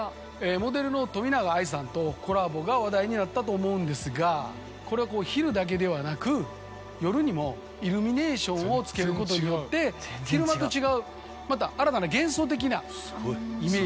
モデルの。が話題になったと思うんですがこれは昼だけではなく夜にもイルミネーションをつけることによって昼間と違うまた新たな幻想的なイメージ。